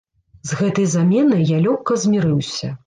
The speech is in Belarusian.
З гэтай заменай я лёгка змірыўся.